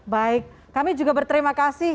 baik kami juga berterima kasih